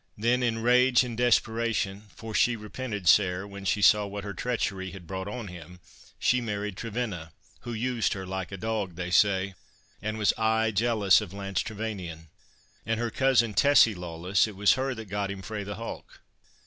Then in rage and desperation, for she repented sair, when she saw what her treachery had brought on him, she married Trevenna, who used her like a dog, they say, and was aye jealous of Lance Trevanion. And her cousin Tessie Lawless, it was her that got him frae the hulk."